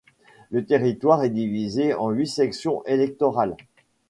Le territoire est divisé en huit sections électorales.